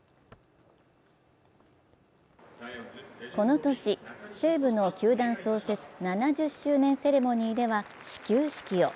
この年、西武の球団創設７０周年セレモニーでは始球式を。